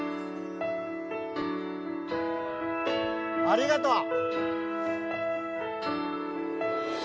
ありがとう！